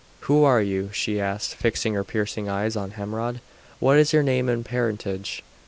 "Who are you?" she asked, fixing her piercing eyes on Hermod. "What is your name and parentage?